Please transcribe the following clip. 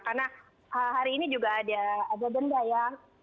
karena hari ini juga ada benda ya